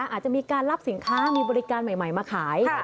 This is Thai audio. อาจจะมีการรับสินค้ามีบริการใหม่มาขาย